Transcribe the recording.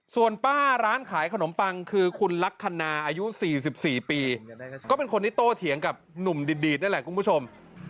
ส่วนป้าร้านขายขนมปังคือคุณลักษณะอายุ๔๔ปีก็เป็นคนที่โตเถียงกับหนุ่มดีดนั่นแหละคุณผู้ชม